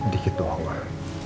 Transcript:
dikit doang lah